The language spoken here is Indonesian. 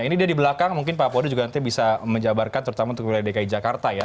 ini dia di belakang mungkin pak podo juga nanti bisa menjabarkan terutama untuk wilayah dki jakarta ya